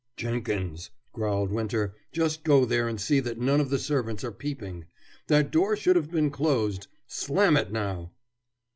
"Jenkins," growled Winter, "just go there and see that none of the servants are peeping. That door should have been closed. Slam it now!"